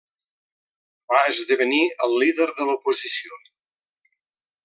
Va esdevenir el líder de l'oposició.